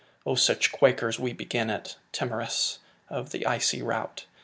Oh, such quakers we begin it, Timorous of the icy route!